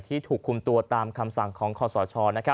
ถูกคุมตัวตามคำสั่งของคอสช